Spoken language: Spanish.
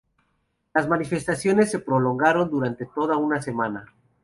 Las manifestaciones se prolongaron durante toda una semana.